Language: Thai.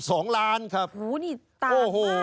โอ้โฮนี่ต่างมากเลยค่ะ